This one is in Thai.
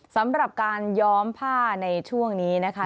สำหรับการย้อมผ้าในช่วงนี้นะคะ